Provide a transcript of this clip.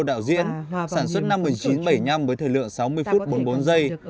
đạo diễn sản xuất năm một nghìn chín trăm bảy mươi năm với thời lượng sáu mươi phút bốn mươi bốn giây